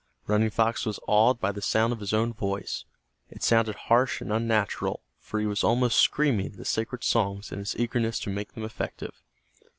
Running Fox was awed by the sound of his own voice. It sounded harsh and unnatural for he was almost screaming the sacred songs in his eagerness to make them effective.